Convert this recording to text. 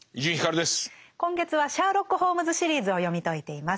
今月は「シャーロック・ホームズ・シリーズ」を読み解いています。